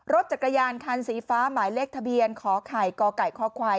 รถจักรยานคันสีฟ้าหมายเลขทะเบียนขอไข่กไก่คควาย